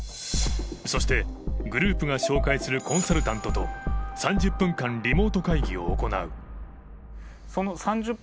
そしてグループが紹介するコンサルタントと３０分間リモート会議を行う。